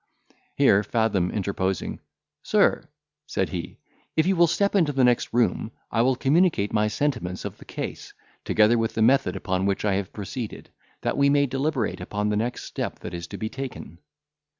Here Fathom interposing, "Sir," said he, "if you will step into the next room, I will communicate my sentiments of the case, together with the method upon which I have proceeded, that we may deliberate upon the next step that is to be taken."